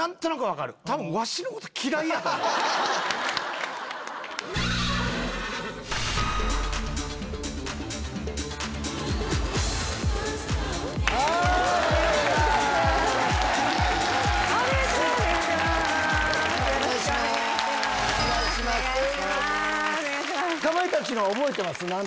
かまいたちのは覚えてます？